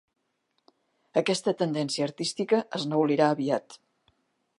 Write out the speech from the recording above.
Aquesta tendència artística es neulirà aviat.